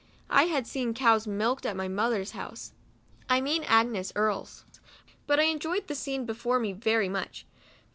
I had seen cows milked at my mother's house, (I mean Agnes Earle's) ; but I enjoyed the scene before me very much.